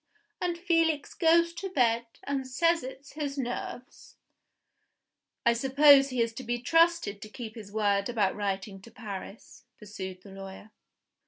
And Felix goes to bed, and says it's his nerves." "I suppose he is to be trusted to keep his word about writing to Paris?" pursued the lawyer.